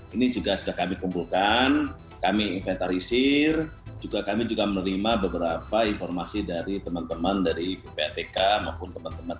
ini juga sudah kami kumpulkan kami inventarisir kami juga menerima beberapa informasi dari teman teman dari ppatk maupun teman teman